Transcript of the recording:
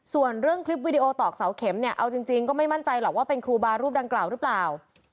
ส่วนเรื่องคลิปวิดีโอตอกเสาเข็มเนี่ยเอาจริงก็ไม่มั่นใจหรอกว่าเป็นครูบารูปดังกล่าวหรือเปล่า